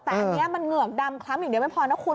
แต่อันนี้มันเหงือกดำคล้ำอย่างเดียวไม่พอนะคุณ